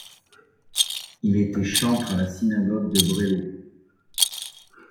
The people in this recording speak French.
Il était chantre à la synagogue de Breslau.